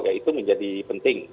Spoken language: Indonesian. ya itu menjadi penting